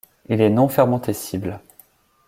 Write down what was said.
Il est non fermentescible.